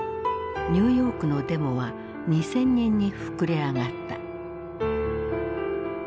ニューヨークのデモは２，０００人に膨れあがった。